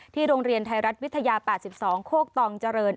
โรงเรียนไทยรัฐวิทยา๘๒โคกตองเจริญ